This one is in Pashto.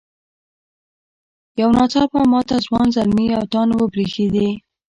یو نا څاپه ماته ځوان زلمي او تاند وبرېښدې.